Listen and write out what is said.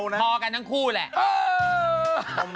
พอกันทั้งคู่แหละ